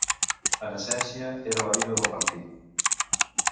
En essència, era la vida del partit.